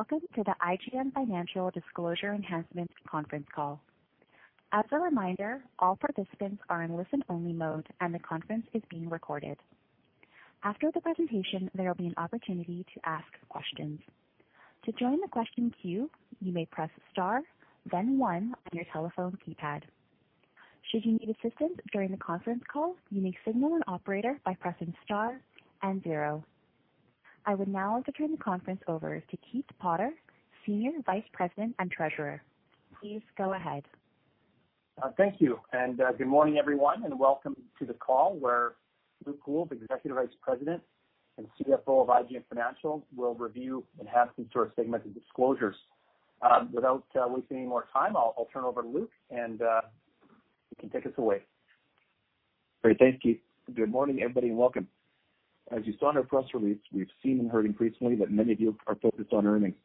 Welcome to the IGM Financial Disclosure Enhancement conference call. As a reminder, all participants are in listen-only mode, and the conference is being recorded. After the presentation, there will be an opportunity to ask questions. To join the question queue, you may press star, then one on your telephone keypad. Should you need assistance during the conference call, you may signal an operator by pressing star and zero. I would now like to turn the conference over to Keith Potter, Senior Vice President and Treasurer. Please go ahead. Thank you, and good morning, everyone, and welcome to the call, where Luke Gould, Executive Vice President and CFO of IGM Financial, will review enhancements to our segmented disclosures. Without wasting any more time, I'll turn it over to Luke, and you can take us away. Great. Thank you. Good morning, everybody, and welcome. As you saw in our press release, we've seen and heard increasingly that many of you are focused on earnings,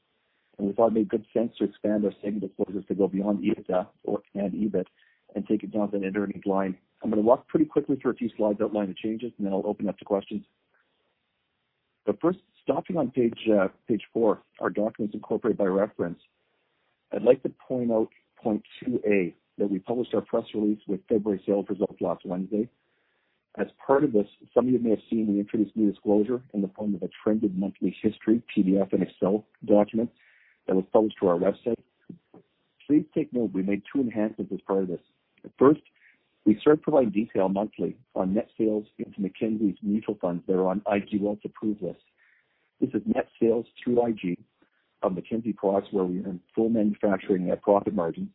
and we thought it made good sense to expand our segment disclosures to go beyond EBITDA or and EBIT and take it down to a net earnings line. I'm going to walk pretty quickly through a few slides, outline the changes, and then I'll open up to questions. But first, stopping on page, page 4, our documents incorporated by reference, I'd like to point out point 2A, that we published our press release with February sales results last Wednesday. As part of this, some of you may have seen we introduced a new disclosure in the form of a trended monthly history, PDF and Excel documents, that was published to our website. Please take note, we made 2 enhancements as part of this. The first, we started providing detail monthly on net sales into Mackenzie's mutual funds that are on IG Wealth's approved list. This is net sales through IG on Mackenzie products where we earn full manufacturing net profit margin,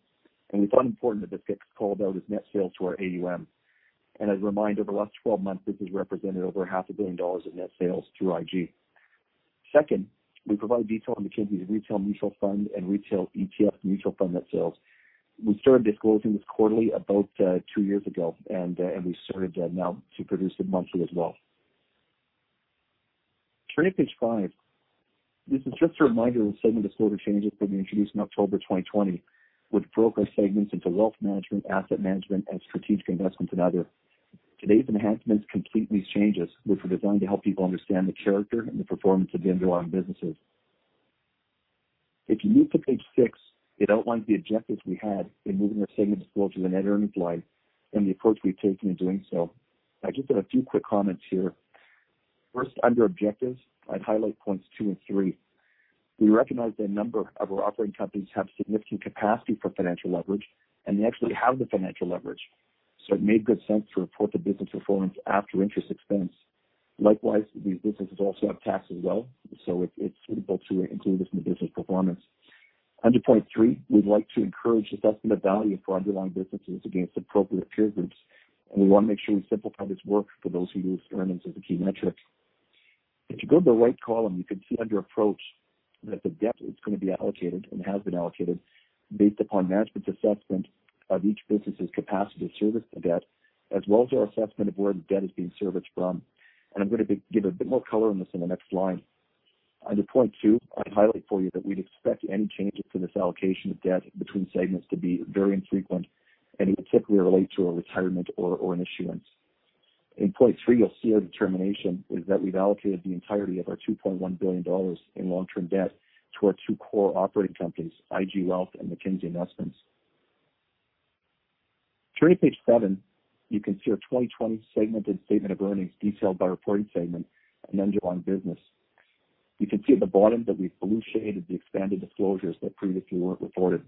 and we thought it important that this gets called out as net sales to our AUM. And as a reminder, over the last 12 months, this has represented over 500 million dollars in net sales through IG. Second, we provide detail on Mackenzie's retail mutual fund and retail ETF mutual fund net sales. We started disclosing this quarterly about 2 years ago, and, and we started now to produce it monthly as well. Turning to page 5, this is just a reminder of the segment disclosure changes that we introduced in October of 2020, which broke our segments into wealth management, asset management, and strategic investments and other. Today's enhancements complete these changes, which are designed to help people understand the character and the performance of the underlying businesses. If you move to page 6, it outlines the objectives we had in moving our segment disclosure to the net earnings line and the approach we've taken in doing so. I just have a few quick comments here. First, under objectives, I'd highlight points 2 and 3. We recognize that a number of our operating companies have significant capacity for financial leverage, and they actually have the financial leverage, so it made good sense to report the business performance after interest expense. Likewise, these businesses also have tax as well, so it's, it's important to include this in the business performance. Under point three, we'd like to encourage assessment of value for underlying businesses against appropriate peer groups, and we want to make sure we simplify this work for those who use earnings as a key metric. If you go to the right column, you can see under approach that the debt is going to be allocated and has been allocated based upon management's assessment of each business's capacity to service the debt, as well as our assessment of where the debt is being serviced from. I'm going to give a bit more color on this in the next line. Under point two, I'd highlight for you that we'd expect any changes to this allocation of debt between segments to be very infrequent, and it would typically relate to a retirement or an issuance. In point three, you'll see our determination is that we've allocated the entirety of our 2.1 billion dollars in long-term debt to our two core operating companies, IG Wealth and Mackenzie Investments. Turning to page seven, you can see our 2020 segmented statement of earnings, detailed by reporting segment and underlying business. You can see at the bottom that we've blue shaded the expanded disclosures that previously weren't reported.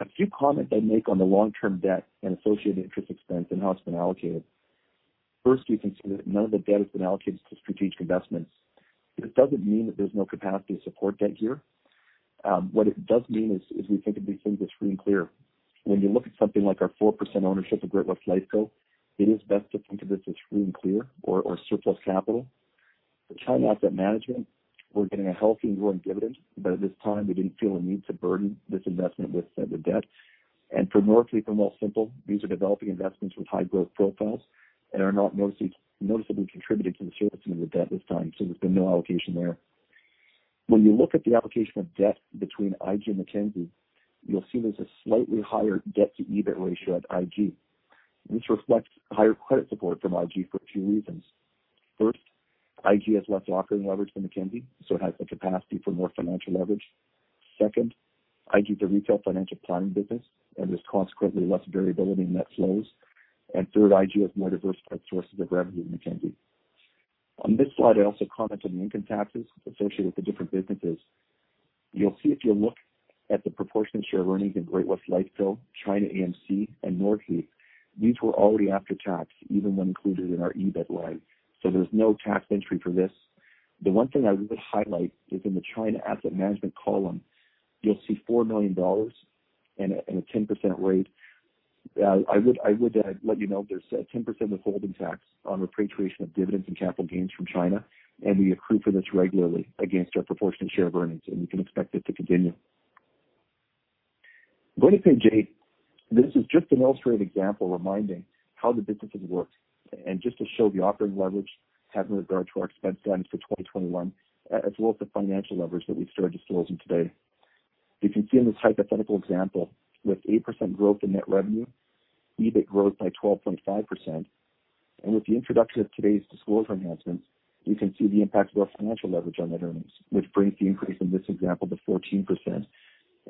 A few comments I'd make on the long-term debt and associated interest expense and how it's been allocated. First, you can see that none of the debt has been allocated to strategic investments. This doesn't mean that there's no capacity to support debt here. What it does mean is, is we think of these things as free and clear. When you look at something like our 4% ownership of Great-West Lifeco, it is best to think of this as free and clear or, or surplus capital. For China Asset Management, we're getting a healthy and growing dividend, but at this time, we didn't feel a need to burden this investment with the debt. And for Northleaf and Wealthsimple, these are developing investments with high growth profiles and are not noticeably contributing to the servicing of the debt this time, so there's been no allocation there. When you look at the allocation of debt between IG and Mackenzie, you'll see there's a slightly higher debt-to-EBIT ratio at IG. This reflects higher credit support from IG for two reasons. First, IG has less operating leverage than Mackenzie, so it has the capacity for more financial leverage. Second, IG is a retail financial planning business and has consequently less variability in net flows. And third, IG has more diversified sources of revenue than Mackenzie. On this slide, I also commented on the income taxes associated with the different businesses. You'll see if you look at the proportionate share of earnings in Great-West Lifeco, ChinaAMC, and Northleaf, these were already after tax, even when included in our EBIT line. So there's no tax entry for this. The one thing I would highlight is in the China Asset Management column, you'll see 4 million dollars and a 10% rate. I would let you know there's a 10% withholding tax on repatriation of dividends and capital gains from China, and we accrue for this regularly against our proportionate share of earnings, and we can expect it to continue. Going to page 8, this is just an illustrated example reminding how the businesses work, and just to show the operating leverage having regard to our expense guidance for 2021, as well as the financial leverage that we started disclosing today.... You can see in this hypothetical example, with 8% growth in net revenue, EBIT growth by 12.5%, and with the introduction of today's disclosure enhancements, you can see the impact of our financial leverage on net earnings, which brings the increase in this example to 14%.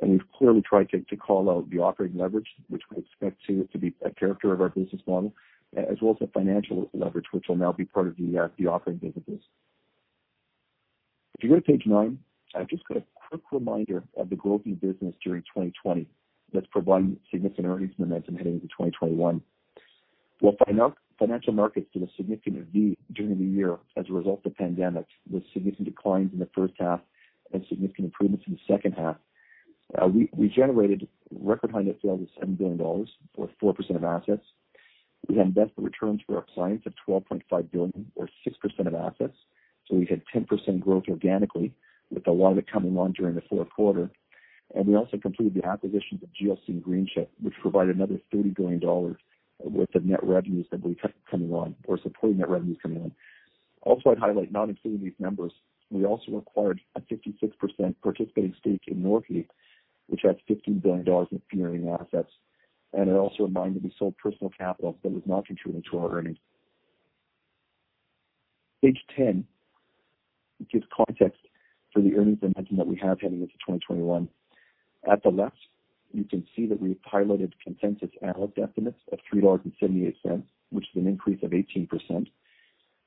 And we've clearly tried to call out the operating leverage, which we expect to be a character of our business model, as well as the financial leverage, which will now be part of the operating business. If you go to page 9, I've just got a quick reminder of the growth in business during 2020, that's providing significant earnings momentum heading into 2021. While financial markets did a significant V during the year as a result of the pandemic, with significant declines in the first half and significant improvements in the second half, we generated record high net sales of 7 billion dollars, or 4% of assets. We had investment returns for our clients of 12.5 billion, or 6% of assets. So we had 10% growth organically, with a lot of it coming on during the fourth quarter. We also completed the acquisitions of GLC and Greenchip, which provided another 30 billion dollars worth of net revenues that we have coming on, or supporting net revenues coming on. Also, I'd highlight, not including these numbers, we also acquired a 56% participating stake in Northleaf, which has 15 billion dollars in earning assets. I also remind that we sold Personal Capital that was not contributing to our earnings. Page 10 gives context to the earnings momentum that we have heading into 2021. At the left, you can see that we've highlighted consensus analyst estimates of 3.78 dollars, which is an increase of 18%.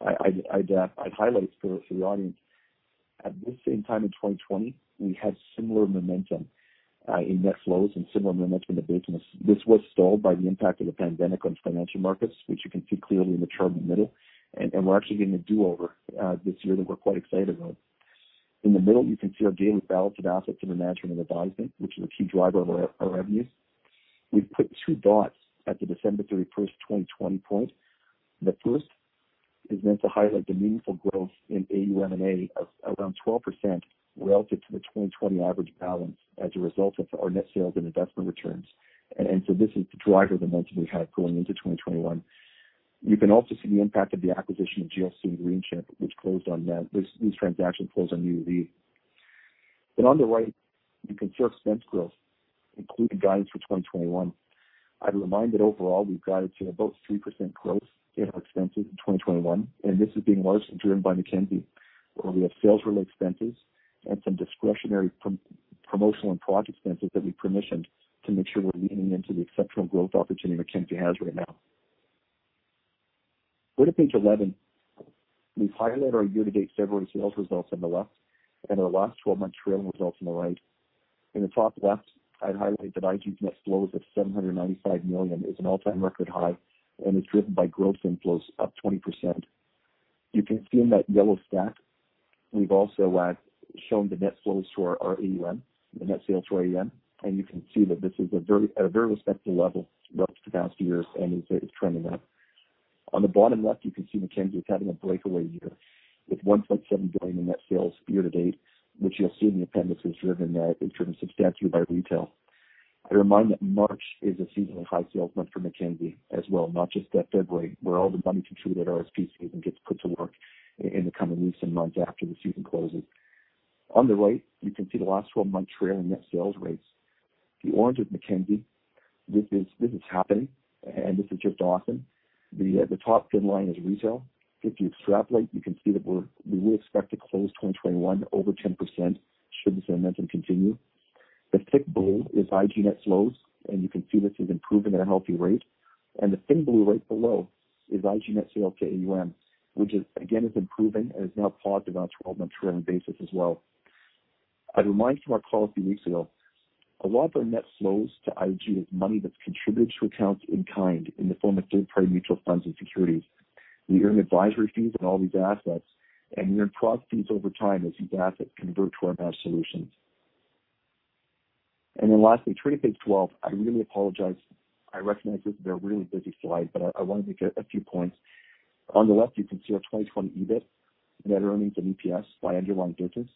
I'd highlight for the audience, at this same time in 2020, we had similar momentum in net flows and similar momentum in the business. This was stalled by the impact of the pandemic on financial markets, which you can see clearly in the chart in the middle. And we're actually getting a do-over this year that we're quite excited about. In the middle, you can see our daily balance of assets under management and advisement, which is a key driver of our revenue. We've put two dots at the December 31, 2020 point. The first is meant to highlight the meaningful growth in AUM and A of around 12% relative to the 2020 average balance as a result of our net sales and investment returns. So this is the driver momentum we have going into 2021. You can also see the impact of the acquisition of GLC and Greenchip, which closed on New Year's Eve. Then on the right, you can see our expense growth, including guidance for 2021. I'd remind that overall, we've guided to about 3% growth in our expenses in 2021, and this is being largely driven by Mackenzie, where we have sales-related expenses and some discretionary promotional and project expenses that we permissioned to make sure we're leaning into the exceptional growth opportunity Mackenzie has right now. Go to page 11. We've highlighted our year-to-date February sales results on the left, and our last 12-month trailing results on the right. In the top left, I'd highlight that IG's net flows of 795 million is an all-time record high, and it's driven by growth inflows up 20%. You can see in that yellow stack, we've also shown the net flows to our AUM, the net sales to AUM, and you can see that this is at a very respectable level relative to past years and is trending up. On the bottom left, you can see Mackenzie is having a breakaway year, with 1.7 billion in net sales year to date, which you'll see in the appendix, is driven substantially by retail. I remind that March is a seasonally high sales month for Mackenzie as well, not just February, where all the money contributed RRSP season gets put to work in the coming weeks and months after the season closes. On the right, you can see the last 12-month trailing net sales rates. The orange is Mackenzie. This is, this is happening, and this is just awesome. The top thin line is retail. If you extrapolate, you can see that we will expect to close 2021 over 10%, should this momentum continue. The thick blue is IG net flows, and you can see this is improving at a healthy rate. And the thin blue right below is IG net sales to AUM, which is, again, is improving and is now positive on a 12-month trailing basis as well. I'd remind to our call a few weeks ago, a lot of our net flows to IG is money that's contributed to accounts in kind, in the form of third-party mutual funds and securities. We earn advisory fees on all these assets, and we earn profit fees over time as these assets convert to our in-house solutions. And then lastly, turn to page 12. I really apologize. I recognize that they're a really busy slide, but I wanted to get a few points. On the left, you can see our 2020 EBIT, net earnings, and EPS by underlying business.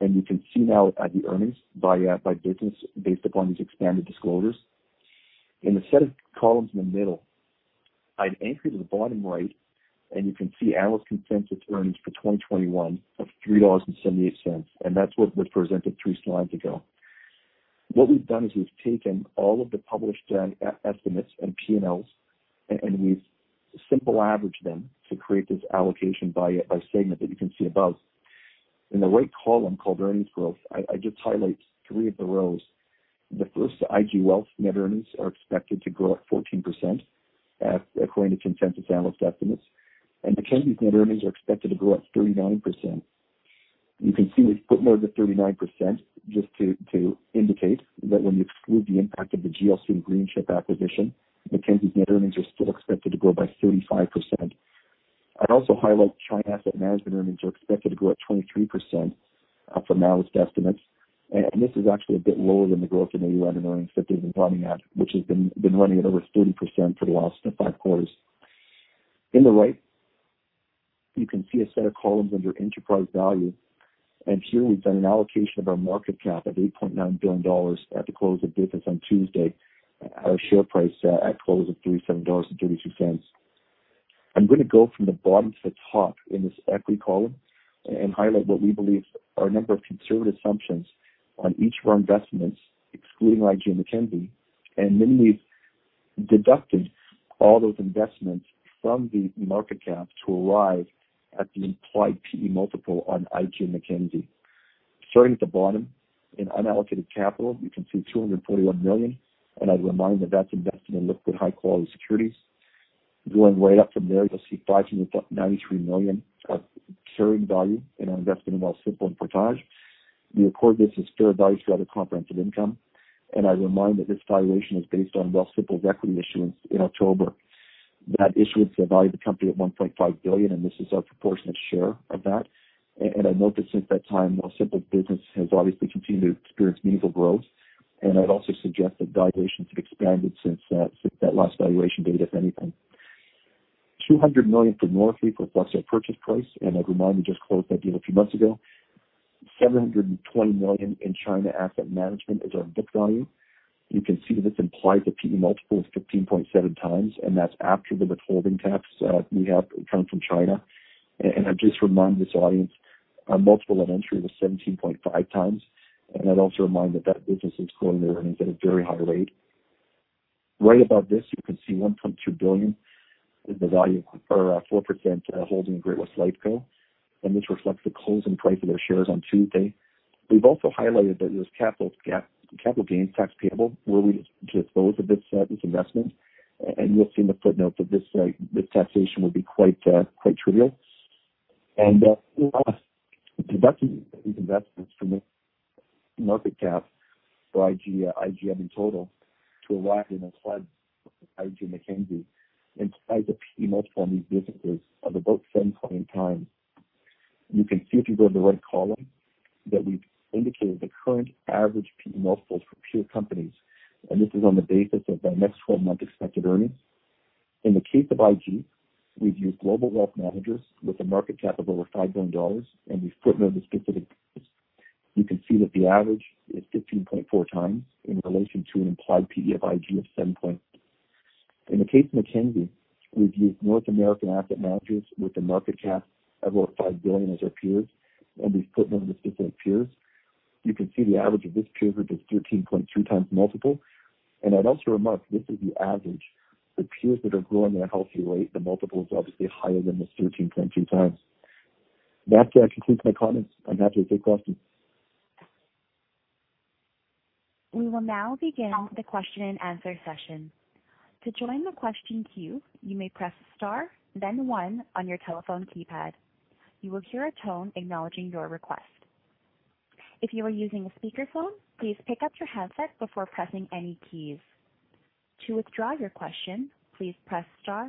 And you can see now, the earnings by business based upon these expanded disclosures. In the set of columns in the middle, I'd anchor to the bottom right, and you can see analyst consensus earnings for 2021 of 3.78 dollars, and that's what was presented three slides ago. What we've done is we've taken all of the published, estimates and PNLs, and we've simply averaged them to create this allocation by, by segment that you can see above. In the right column, called earnings growth, I just highlight three of the rows. The first, IG Wealth net earnings are expected to grow at 14%, according to consensus analyst estimates, and Mackenzie's net earnings are expected to grow at 39%. You can see we've put more than 39% just to indicate that when you exclude the impact of the GLC and Greenchip acquisition, Mackenzie's net earnings are still expected to grow by 35%. I'd also highlight China Asset Management earnings are expected to grow at 23%, from analyst estimates, and this is actually a bit lower than the growth in AUM and earnings that we've been running at, which has been running at over 30% for the last 5 quarters. In the right, you can see a set of columns under enterprise value, and here we've done an allocation of our market cap of 8.9 billion dollars at the close of business on Tuesday, at a share price at close of 37.32 dollars. I'm gonna go from the bottom to the top in this equity column and highlight what we believe are a number of conservative assumptions on each of our investments, excluding IG and Mackenzie, and then we've deducted all those investments from the market cap to arrive at the implied PE multiple on IG and Mackenzie. Starting at the bottom, in unallocated capital, you can see 241 million, and I'd remind that that's invested in liquid, high quality securities. Going way up from there, you'll see 593 million of carrying value in our investment in Wealthsimple and Portage. We record this as fair value through other comprehensive income, and I'd remind that this valuation is based on Wealthsimple's equity issuance in October. That issuance valued the company at 1.5 billion, and this is our proportionate share of that. I'd note that since that time, Wealthsimple's business has obviously continued to experience meaningful growth, and I'd also suggest that valuations have expanded since since that last valuation date, if anything. 200 million for Northleaf reflects our purchase price, and I'd remind, we just closed that deal a few months ago. 720 million in China Asset Management is our book value. You can see that this implies a PE multiple of 15.7x, and that's after the withholding tax we have coming from China. I'd just remind this audience, our multiple on entry was 17.5x, and I'd also remind that that business is growing their earnings at a very high rate. Right above this, you can see 1.2 billion is the value or 4% holding in Great-West Lifeco, and this reflects the closing price of their shares on Tuesday. We've also highlighted that there's capital gains tax payable where we dispose of this investment, and you'll see in the footnote that this taxation will be quite trivial. Last, deducting these investments from the market cap for IG, IGM in total to arrive in a slide IG Mackenzie, implies a PE multiple on these businesses of about 7.8x. You can see if you go to the right column, that we've indicated the current average PE multiples for peer companies, and this is on the basis of their next 12-month expected earnings. In the case of IG, we've used global wealth managers with a market cap of over $5 billion, and we've footnoted the specific peers. You can see that the average is 15.4x in relation to an implied PE of 7.8. In the case of Mackenzie, we've used North American asset managers with a market cap of about $5 billion as our peers, and we've footnoted the specific peers. You can see the average of this peer group is 13.2x multiple, and I'd also remark, this is the average. The peers that are growing at a healthier rate, the multiple is obviously higher than the 13.2x. That concludes my comments. I'm happy to take questions. We will now begin the question and answer session. To join the question queue, you may press star then one on your telephone keypad. You will hear a tone acknowledging your request. If you are using a speakerphone, please pick up your handset before pressing any keys. To withdraw your question, please press star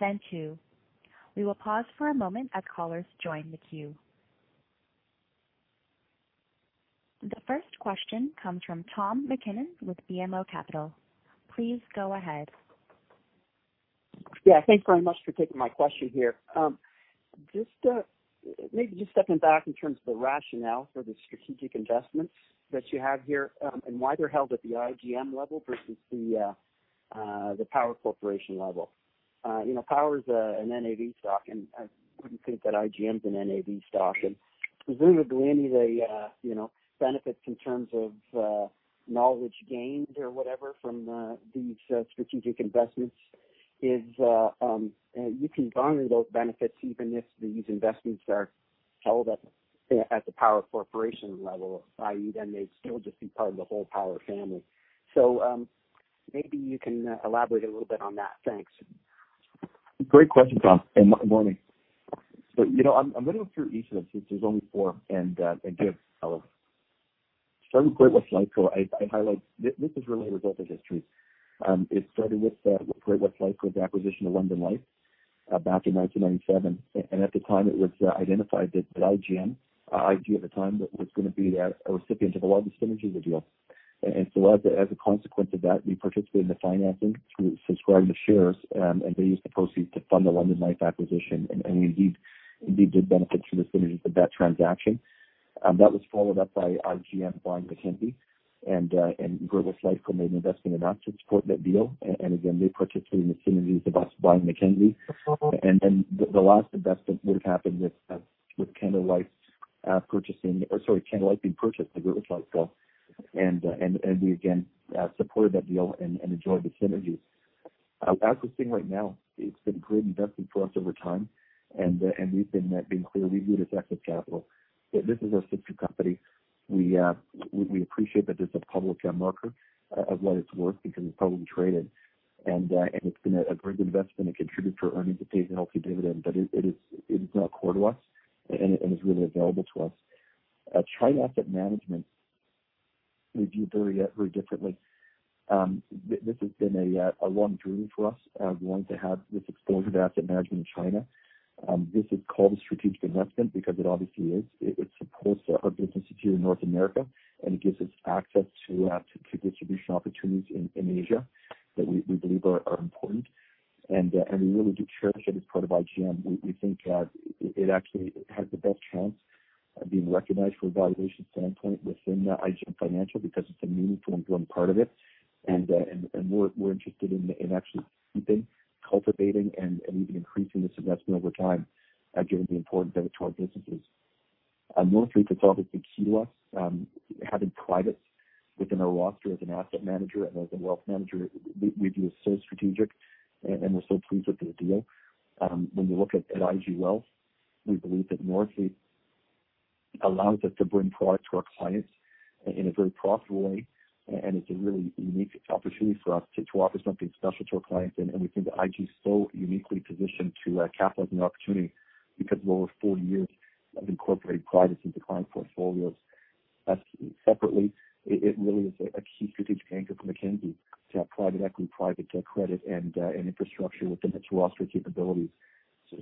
then two. We will pause for a moment as callers join the queue. The first question comes from Tom MacKinnon with BMO Capital. Please go ahead. Yeah, thanks very much for taking my question here. Just, maybe just stepping back in terms of the rationale for the strategic investments that you have here, and why they're held at the IGM level versus the, the Power Corporation level. You know, Power's an NAV stock, and I wouldn't think that IGM's an NAV stock. And presumably any of the, you know, benefits in terms of, knowledge gained or whatever from, these, strategic investments is, you can garner those benefits even if these investments are held at, at the Power Corporation level, i.e., then they'd still just be part of the whole Power family. So, maybe you can, elaborate a little bit on that. Thanks. Great question, Tom, and good morning. So, you know, I'm gonna go through each of them since there's only four and give, starting with Great-West Lifeco, I highlight. This is really a result of history. It started with Great-West Lifeco's acquisition of London Life back in 1997. And at the time, it was identified that IGM, IG at the time, was gonna be a recipient of a lot of the synergies of the deal. And so as a consequence of that, we participated in the financing through subscribing to shares, and they used the proceeds to fund the London Life acquisition. And we indeed did benefit from the synergies of that transaction. That was followed up by IGM buying Mackenzie and Great-West Lifeco made an investment in us to support that deal. And again, they participated in the synergies of us buying Mackenzie. And the last investment that happened with Canada Life being purchased by Great-West Lifeco. And we again supported that deal and enjoyed the synergies. As we're sitting right now, it's been a great investment for us over time, and we've been being clear, we view this as exit capital. This is our sister company. We appreciate that it's a publicly owned marker of what it's worth because it's publicly traded. And it's been a great investment. It contributes to earnings, it pays a healthy dividend, but it is not core to us and is really available to us. China Asset Management, we view very differently. This has been a long journey for us, wanting to have this exposure to asset management in China. This is called a strategic investment because it obviously is. It supports our business here in North America, and it gives us access to distribution opportunities in Asia that we believe are important. And we really do cherish it as part of IGM. We think it actually has the best chance... being recognized from a valuation standpoint within the IGM Financial, because it's a meaningful and growing part of it. We're interested in actually keeping, cultivating, and even increasing this investment over time, given the importance of it to our businesses. Northleaf Capital, too. We, having private within our roster as an asset manager and as a wealth manager, we view as so strategic and we're so pleased with the deal. When we look at IG Wealth, we believe that Northleaf allows us to bring product to our clients in a very profitable way, and it's a really unique opportunity for us to offer something special to our clients. We think that IG is so uniquely positioned to capitalize on the opportunity because of over 40 years of incorporating private into client portfolios. As separately, it really is a key strategic anchor for Mackenzie to have private equity, private credit, and infrastructure within its roster capabilities.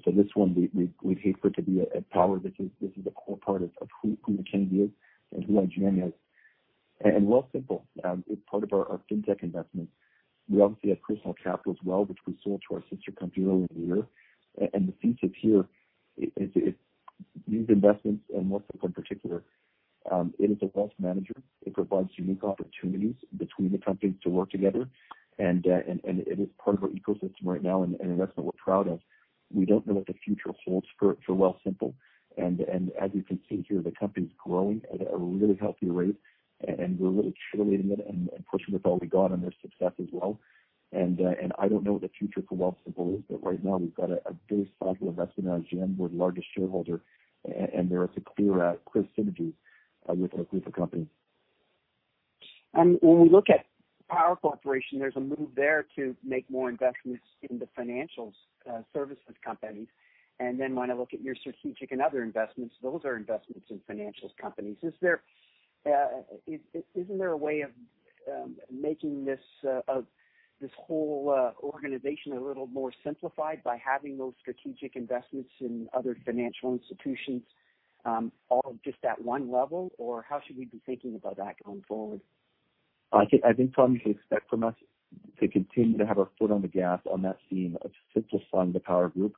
So this one, we'd hate for it to be a power. This is a core part of who Mackenzie is and who IGM is. And Wealthsimple is part of our FinTech investment. We obviously have Personal Capital as well, which we sold to our sister company earlier in the year. And the thesis here is these investments, and Wealthsimple in particular, it is a wealth manager. It provides unique opportunities between the companies to work together, and it is part of our ecosystem right now, and an investment we're proud of. We don't know what the future holds for Wealthsimple, and as you can see here, the company's growing at a really healthy rate, and we're really cheerleading it and pushing with all we got on their success as well. And I don't know what the future for Wealthsimple is, but right now we've got a very solid investment at IGM. We're the largest shareholder, and there is a clear synergy with our group of companies. And when we look at Power Corporation, there's a move there to make more investments in the financials, services companies. And then when I look at your strategic and other investments, those are investments in financials companies. Is there, is, isn't there a way of making this, this whole, organization a little more simplified by having those strategic investments in other financial institutions, all just at one level? Or how should we be thinking about that going forward? I think, Tom, you should expect from us to continue to have our foot on the gas on that theme of simplifying the Power group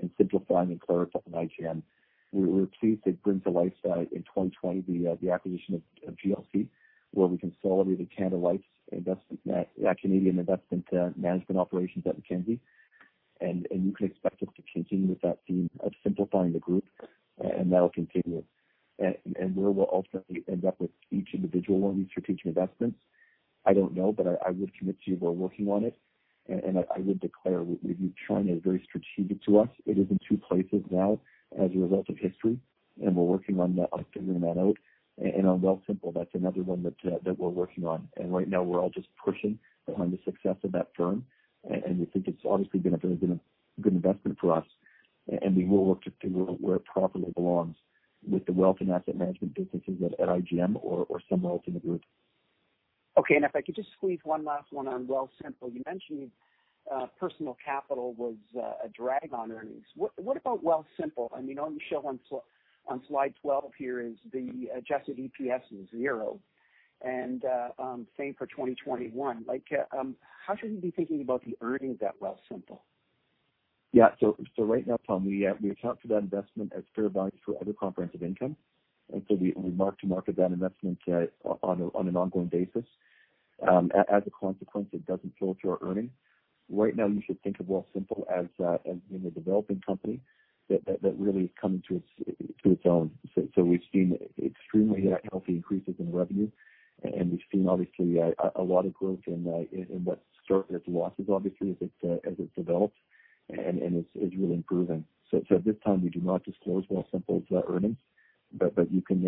and simplifying and clarifying IGM. We're pleased to bring to life in 2020 the acquisition of GLC, where we consolidated Canada Life's Canadian investment management operations at Mackenzie. And you can expect us to continue with that theme of simplifying the group, and that'll continue. And where we'll ultimately end up with each individual one of these strategic investments, I don't know, but I would commit to you we're working on it. And I would declare with China is very strategic to us. It is in two places now as a result of history, and we're working on figuring that out. And on Wealthsimple, that's another one that we're working on. And right now we're all just pushing behind the success of that firm. And we think it's obviously been a very good investment for us, and we will work to figure out where it properly belongs with the wealth and asset management businesses at IGM or somewhere else in the group. Okay. And if I could just squeeze one last one on Wealthsimple. You mentioned Personal Capital was a drag on earnings. What about Wealthsimple? I mean, on the shown on slide 12 here is the adjusted EPS is zero, and same for 2021. Like, how should we be thinking about the earnings at Wealthsimple? Yeah. So right now, Tom, we account for that investment as fair value through other comprehensive income. And so we mark to market that investment on an ongoing basis. As a consequence, it doesn't flow through our earnings. Right now, you should think of Wealthsimple as being a developing company that really is coming to its own. So we've seen extremely healthy increases in revenue, and we've seen obviously a lot of growth in what started as losses obviously as it's developed and it's really improving. So at this time, we do not disclose Wealthsimple's earnings, but you can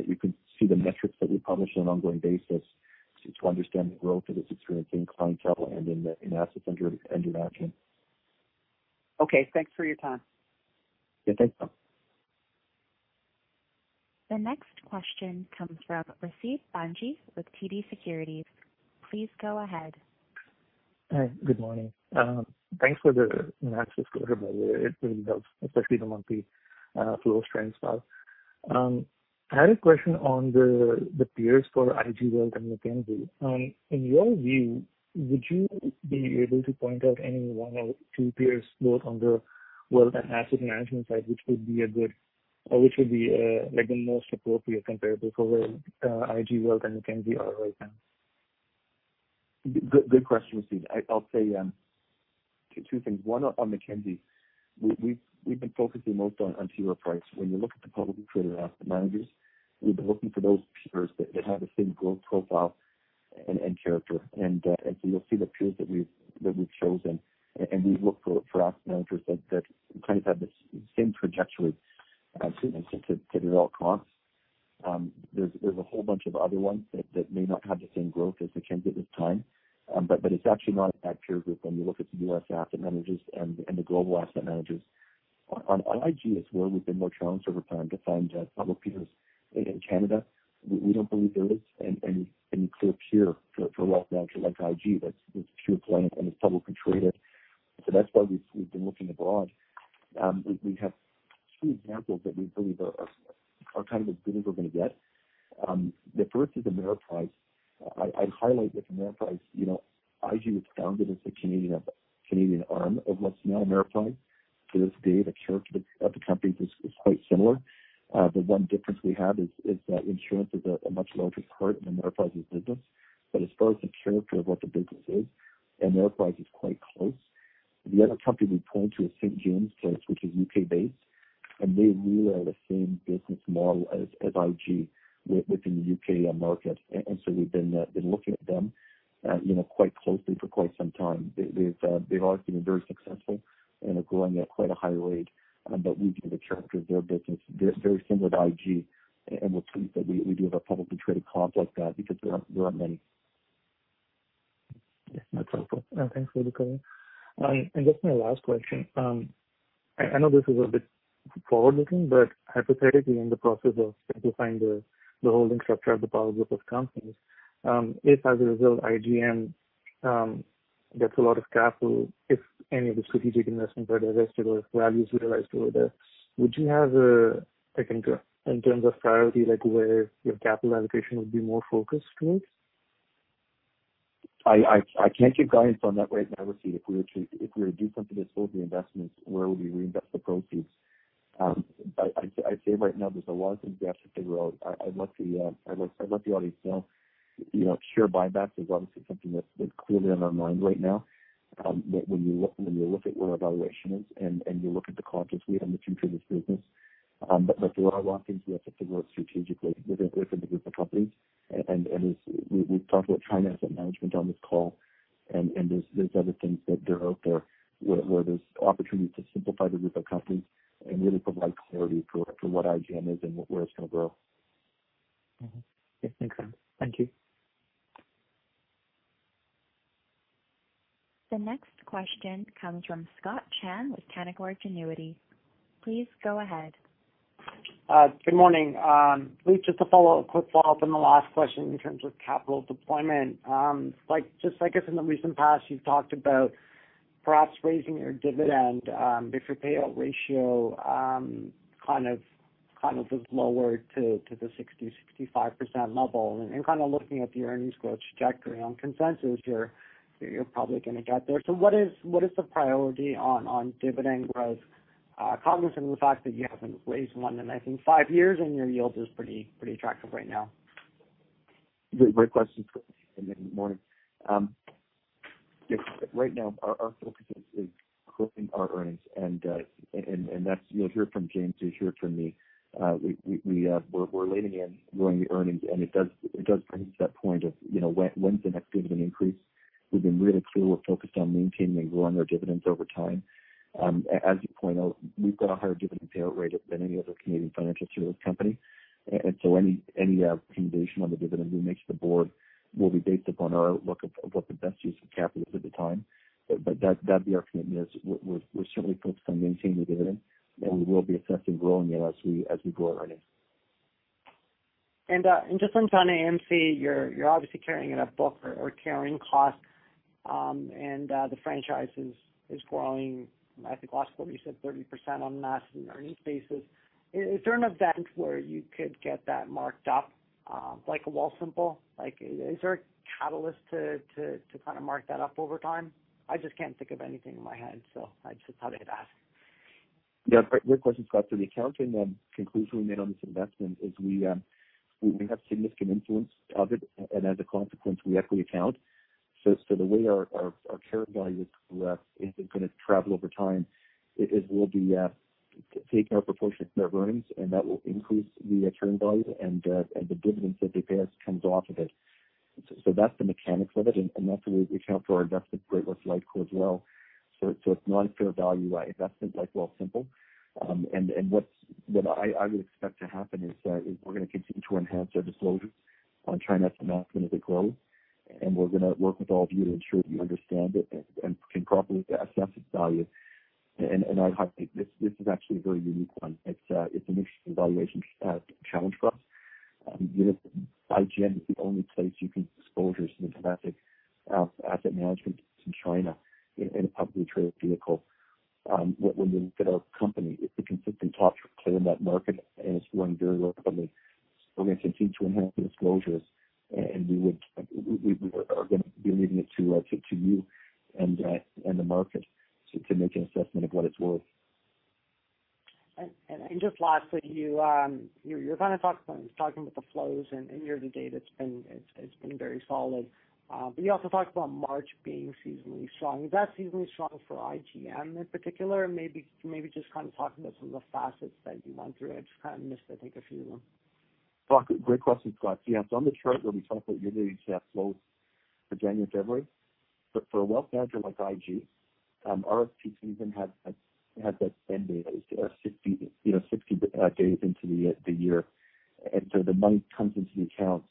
see the metrics that we publish on an ongoing basis to understand the growth that it's experiencing in clientele and in the assets under management. Okay. Thanks for your time. Yeah. Thanks, Tom. The next question comes from Rasib Bhanji with TD Securities. Please go ahead. Hi, good morning. Thanks for the analysis, it really helps, especially the monthly flow trends as well. I had a question on the peers for IG Wealth and Mackenzie. In your view, would you be able to point out any one or two peers, both on the wealth and asset management side, which would be a good, or which would be like the most appropriate comparable for IG Wealth and Mackenzie are right now? Good, good question, Rasib. I'll say two things. One, on Mackenzie, we've been focusing mostly on pure price. When you look at the publicly traded asset managers, we've been looking for those peers that have the same growth profile and character. And so you'll see the peers that we've chosen, and we look for asset managers that kind of have the same trajectory to develop costs. There's a whole bunch of other ones that may not have the same growth as Mackenzie at this time. But it's actually not a bad peer group when you look at the U.S. asset managers and the global asset managers. On IG is where we've been more challenged over time to find public peers in Canada. We don't believe there is any clear peer for a wealth manager like IG, that's pure play and it's publicly traded. So that's why we've been looking abroad. We have two examples that we believe are kind of as good as we're going to get. The first is Ameriprise. I highlight with Ameriprise, you know, IG was founded as the Canadian arm of what's now Ameriprise. To this day, the character of the company is quite similar. The one difference we have is that insurance is a much larger part in Ameriprise's business. But as far as the character of what the business is, Ameriprise is quite close. The other company we point to is St. James's Place which is UK based, and they really are the same business model as IG within the UK market. And so we've been looking at them, you know, quite closely for quite some time. They've always been very successful and are growing at quite a high rate, but we view the character of their business very similar to IG, and we're pleased that we do have a publicly traded comp like that because there aren't many. Yeah, that's helpful. Thanks for the color. And just my last question. I know this is a bit forward looking, but hypothetically, in the process of simplifying the holding structure of the power group of companies, if as a result, IGM gets a lot of capital, if any of the strategic investments are divested or values realized over there, would you have a second go in terms of priority, like where your capital allocation would be more focused towards? I can't give guidance on that right now, Rasib. If we were to do something to sell the investments, where would we reinvest the proceeds? I'd say right now there's a lot of things we have to figure out. I'd like to let the audience know, you know, share buybacks is obviously something that's clearly on our mind right now. But when you look at where our valuation is, and you look at the confidence we have in the future of this business, but there are a lot of things we have to figure out strategically within the group of companies. As we've talked about China Asset Management on this call, and there's other things that are out there where there's opportunity to simplify the group of companies and really provide clarity for what IGM is and where it's gonna grow. Mm-hmm. Yeah, thanks. Thank you. The next question comes from Scott Chan with Canaccord Genuity. Please go ahead. Good morning. Just to follow a quick follow-up on the last question in terms of capital deployment. Like, just I guess in the recent past, you've talked about perhaps raising your dividend, if your payout ratio, kind of, kind of was lower to, to the 60-65% level. Kind of looking at the earnings growth trajectory on consensus, you're, you're probably gonna get there. So what is, what is the priority on, on dividend growth? Cognizant of the fact that you haven't raised one in I think 5 years, and your yield is pretty, pretty attractive right now. Great question, Scott, and good morning. Yes, right now our focus is growing our earnings. And that's, you'll hear it from James, you'll hear it from me. We’re leaning in growing the earnings, and it does bring us to that point of, you know, when’s the next dividend increase? We've been really clear, we're focused on maintaining and growing our dividends over time. As you point out, we've got a higher dividend payout rate than any other Canadian financial service company. And so any recommendation on the dividend we make to the board will be based upon our outlook of what the best use of capital is at the time. But that'd be our commitment, is we're certainly focused on maintaining the dividend, and we will be assessing growing it as we grow earnings. And just on AMC, you're obviously carrying in a book or carrying costs, and the franchise is growing. I think last quarter you said 30% on an asset and earnings basis. Is there an event where you could get that marked up, like a Wealthsimple? Like, is there a catalyst to kind of mark that up over time? I just can't think of anything in my head, so I just thought I'd ask. Yeah. Great question, Scott. So the accounting and conclusions we made on this investment is we, we have significant influence of it, and as a consequence, we equity account. So the way our share value is going to travel over time, it will be taking our proportion of their earnings, and that will increase the return value and the dividends that they pay us comes off of it. So that's the mechanics of it, and that's the way we account for our investment, Great-West Lifeco as well. So it's not a fair value investment like Wealthsimple. And what I would expect to happen is that we're gonna continue to enhance our disclosure on China Asset Management as it grows, and we're gonna work with all of you to ensure that you understand it and can properly assess its value. And I highlight, this is actually a very unique one. It's an interesting valuation challenge for us. You know, IGM is the only place you can disclosure some domestic asset management in China in a publicly traded vehicle. When you look at our company, it's a consistent top player in that market, and it's growing very well for them. We're gonna continue to enhance the disclosures, and we are gonna be leaving it to you and the market to make an assessment of what it's worth. And just lastly, you kind of talked about the flows and year to date, it's been very solid. But you also talked about March being seasonally strong. Is that seasonally strong for IGM in particular? Maybe just kind of talking about some of the facets that you went through. I just kind of missed, I think, a few of them. Scott, great question, Scott. Yeah, so on the chart where we talk about year-to-date flows for January, February, but for a wealth manager like IG, our peak season has that end date, 60, you know, 60 days into the year. And so the money comes into the accounts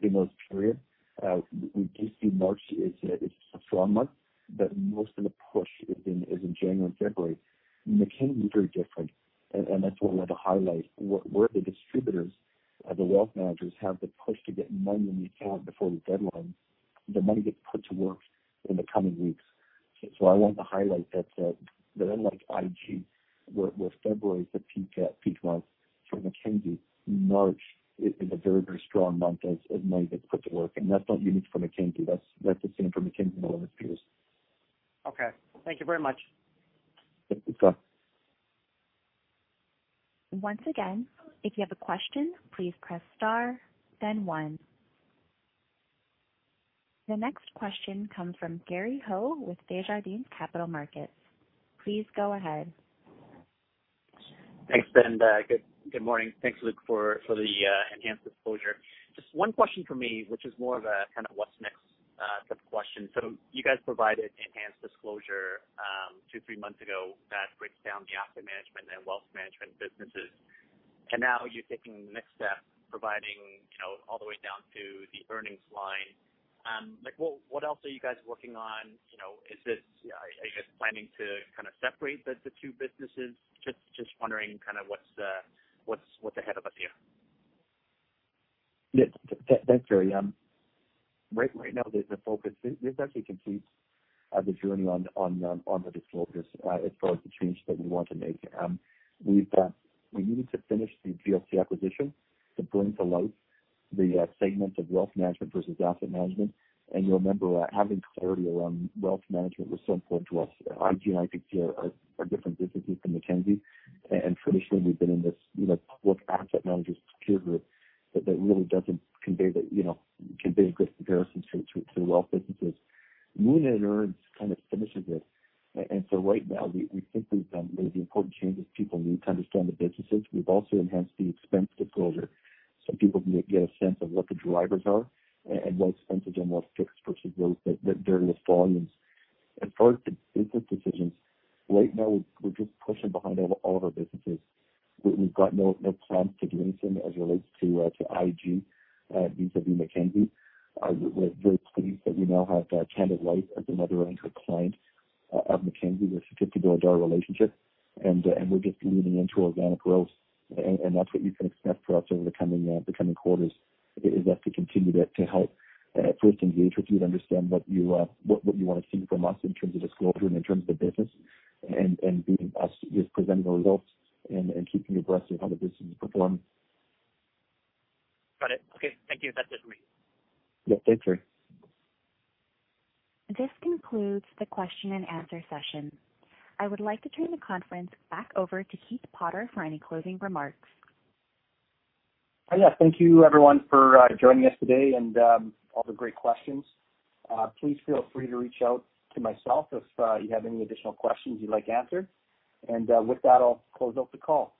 in those period. We do see March as a strong month, but most of the push is in January and February. Mackenzie very different, and that's what we want to highlight. Where the distributors, the wealth managers, have the push to get money in the account before the deadline, the money gets put to work in the coming weeks. So I want to highlight that, that unlike IG, where, where February is the peak, peak month for Mackenzie, March is, is a very, very strong month as, as money gets put to work. And that's not unique for Mackenzie. That's, that's the same for Mackenzie and all its peers. Okay. Thank you very much. Yeah, thanks, Scott. Once again, if you have a question, please press star, then one. The next question comes from Gary Ho with Desjardins Capital Markets. Please go ahead. Thanks, and good morning. Thanks, Luke, for the enhanced disclosure. Just one question from me, which is more of a kind of what's next type of question. So you guys provided enhanced disclosure two, three months ago that breaks down the asset management and wealth management businesses, and now you're taking the next step, providing, you know, all the way down to the earnings line. Like, what else are you guys working on? You know, is this... Are you guys planning to kind of separate the two businesses? Just wondering kind of what's ahead of us here? Yeah. Thanks, Gary. Right now, the focus... This actually completes the journey on the disclosures, as far as the changes that we want to make. We've needed to finish the GLC acquisition to bring to light the segment of wealth management versus asset management. You'll remember, having clarity around wealth management was so important to us. IG, and IG are different businesses from Mackenzie, and traditionally, we've been in this, you know, public asset managers peer group that really doesn't convey a good comparison to the wealth businesses. Winning and earnings kind of finishes it. Right now, we think we've done the important changes people need to understand the businesses. We've also enhanced the expense disclosure, so people can get a sense of what the drivers are and what expenses are more fixed versus those that vary with volumes. As far as the business decisions, right now, we're just pushing behind all of our businesses. We've got no plans to do anything as it relates to IG vis-a-vis Mackenzie. We're very pleased that we now have Canada Life as another anchor client of Mackenzie, with a 50 billion relationship, and we're just leaning into organic growth. And that's what you can expect from us over the coming quarters: us to continue to help first engage with you to understand what you wanna see from us in terms of disclosure and in terms of the business, and being us, just presenting the results and keeping you abreast of how the business performs. Got it. Okay. Thank you. That's it for me. Yeah. Thanks, Gary. This concludes the question and answer session. I would like to turn the conference back over to Keith Potter for any closing remarks. Yeah. Thank you everyone for joining us today and all the great questions. Please feel free to reach out to myself if you have any additional questions you'd like answered. With that, I'll close out the call.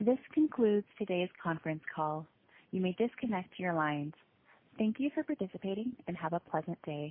This concludes today's conference call. You may disconnect your lines. Thank you for participating, and have a pleasant day.